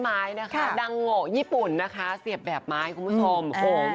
นั่นค่ะดังโงาชญิปุ่นนะคะเสียบแบบไหมคุณผู้ชม